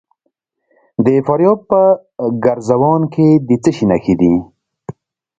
د فاریاب په ګرزوان کې د څه شي نښې دي؟